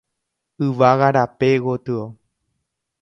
Yvága rape gotyo.